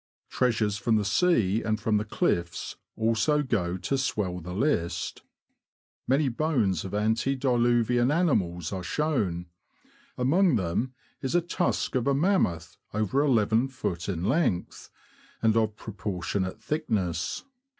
Treasures from the sea and from the cliffs also go to swell the list. Many bones of antediluvian animals are shown ; among them is a tusk of a mammoth, over lift, in length, and of pro portionate thickness.